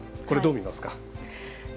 これはどう見ますか？